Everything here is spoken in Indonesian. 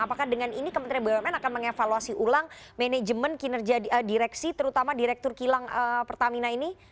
apakah dengan ini kementerian bumn akan mengevaluasi ulang manajemen kinerja direksi terutama direktur kilang pertamina ini